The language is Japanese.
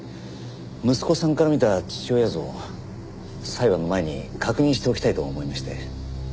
息子さんから見た父親像を裁判の前に確認しておきたいと思いまして。